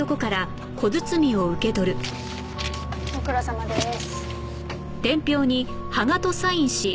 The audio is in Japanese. ご苦労さまです。